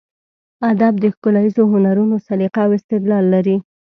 ادب د ښکلاییزو هنرونو سلیقه او استدلال لري.